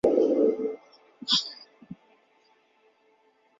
这个方法广泛用于甾类化学中。